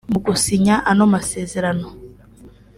Mu gusinya ano masezerano